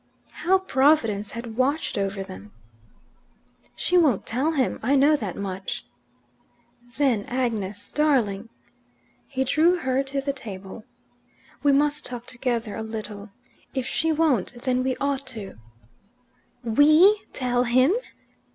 How Providence had watched over them! "She won't tell him. I know that much." "Then, Agnes, darling" he drew her to the table "we must talk together a little. If she won't, then we ought to." "WE tell him?"